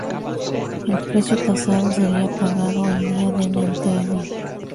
El precio tasado sería pagado el día de la entrega.